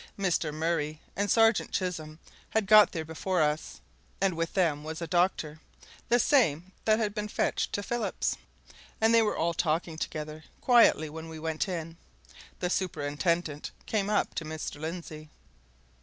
Mr. Murray and Sergeant Chisholm had got there before us, and with them was a doctor the same that had been fetched to Phillips and they were all talking together quietly when we went in. The superintendent came up to Mr. Lindsey.